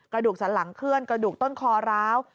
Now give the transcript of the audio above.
กระดูกสันหลังเคลื่อนกระดูกต้นคอร้าว